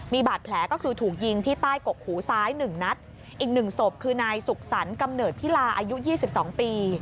มีบาดแผลก็คือถูกยิงที่ใต้กกหูซ้ายหนึ่งนัดอีกหนึ่งศพคือนายสุขสรรคกำเนิดพิลาอายุ๒๒ปี